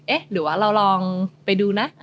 หรือว่าเราลองไปดูนะ